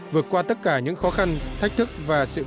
vượt qua tất cả những khó khăn thách thức và sự khó khăn